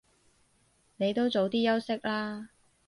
你都早啲休息啦